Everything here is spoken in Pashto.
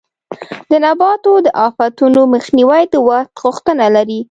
د نباتو د آفتونو مخنیوی د وخت غوښتنه لري.